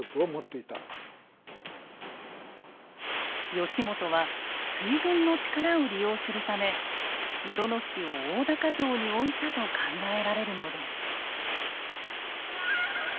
義元は水軍の力を利用するため鵜殿氏を大高城に置いたと考えられるのです。